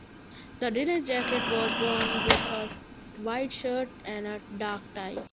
The dinner jacket was worn with a white shirt and a dark tie.